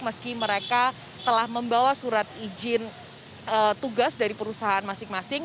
meski mereka telah membawa surat izin tugas dari perusahaan masing masing